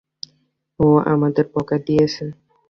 ও আমাদের বোকা বানিয়েছে!